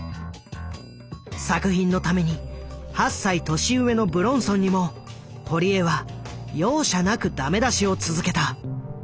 作品のために８歳年上の武論尊にも堀江は容赦なくダメ出しを続けた。